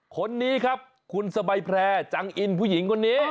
คนนี้ครับคุณสบายแพร่จังอินผู้หญิงคนนี้